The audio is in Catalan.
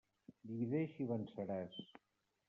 Divideix i venceràs.